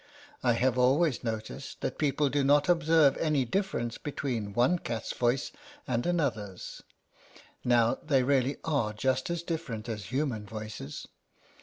I have always noticed that people do not observe any difference between one cat's voice and another's; now they really are just as different as human voices.